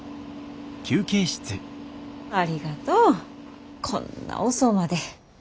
ありがとうこんな遅うまで。